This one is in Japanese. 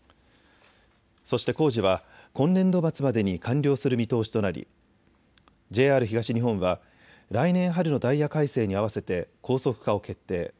そして工事は今年度末までに完了する見通しとなりＪＲ東日本は来年春のダイヤ改正に合わせて高速化を決定。